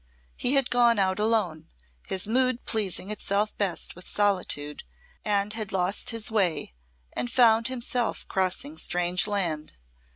He had gone out alone, his mood pleasing itself best with solitude, and had lost his way and found himself crossing strange land.